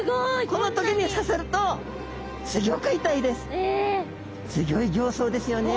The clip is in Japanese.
この棘に刺さるとすギョく痛いです。え！